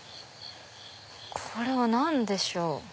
これは何でしょう？